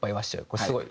これすごい。